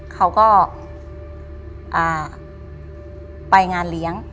เขาก็ไปงานเลี้ยง